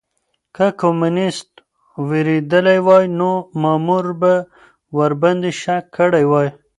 که کمونيسټ وېرېدلی وای نو مامور به ورباندې شک کړی وای.